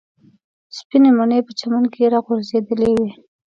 سپینې مڼې په چمن کې راغورځېدلې وې.